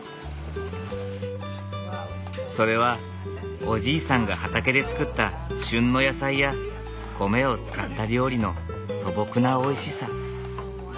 それはおじいさんが畑で作った旬の野菜や米を使った料理の素朴なおいしさ。